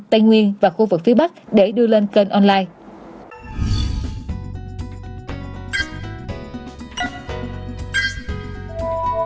tây nguyên và khu vực phía bắc để đưa lên kênh online